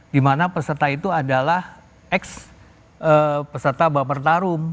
dimana peserta itu adalah ex peserta bapak pertarung